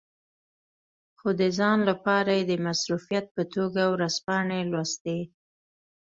خو د ځان لپاره یې د مصروفیت په توګه ورځپاڼې لوستې.